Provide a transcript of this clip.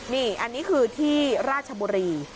นี่อันนี้คือที่ราชบุรี